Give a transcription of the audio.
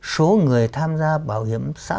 số người tham gia bảo hiểm xã hội